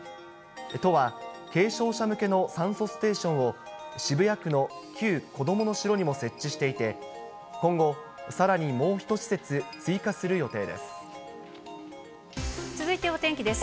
都は、軽症者向けの酸素ステーションを、渋谷区の旧こどもの城にも設置していて、今後、さらにもう１施設追加する予定です。